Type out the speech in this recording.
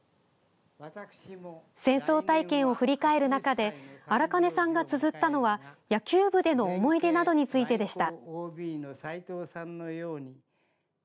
戦争体験を振り返る中で荒金さんがつづったのは野球部での思い出などについてでした。